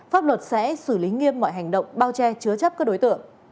pháp luật sẽ xử lý nghiêm mọi hành động bao che chứa chấp các đối tượng